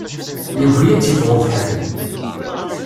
Yugi ad tt-iffeɣ ubeḥri.